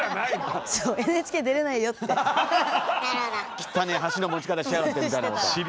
きったねえ箸の持ち方しやがってみたいなことを？